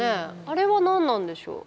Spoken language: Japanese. あれは何なんでしょう？